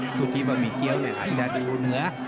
สู้ที่บะหมี่เกี๊ยวเนี่ยอาจจะดูเหนือ